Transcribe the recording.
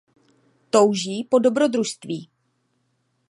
Touží po dobrodružství.